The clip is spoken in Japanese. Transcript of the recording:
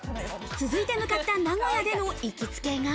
続いて向かった名古屋での行きつけが。